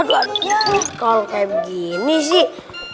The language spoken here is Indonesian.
kalau kayak gini sih